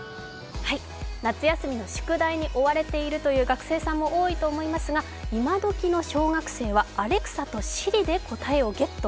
夏休み宿題に追われている学生さんも多いと思いますけれども、イマドキの小学生はアレクサとＳｉｒｉで答えをゲット。